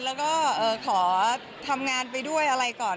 แล้วก็ขอทำงานไปด้วยอะไรก่อน